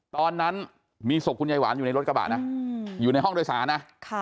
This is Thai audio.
ตอนนั้นมีศพคุณยายหวานอยู่ในรถกระบะนะอยู่ในห้องโดยสารนะ